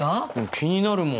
気になるもん。